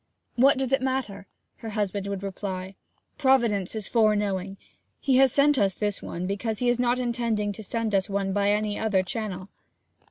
'What does it matter?' her husband would reply. 'Providence is fore knowing. He has sent us this one because he is not intending to send us one by any other channel.'